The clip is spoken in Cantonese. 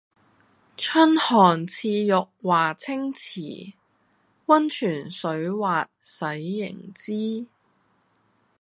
春寒賜浴華清池，溫泉水滑洗凝脂。